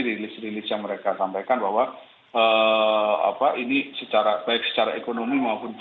rilis rilis yang mereka sampaikan bahwa ini baik secara ekonomi maupun g dua puluh